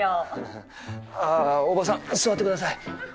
ハハ伯母さん座ってください。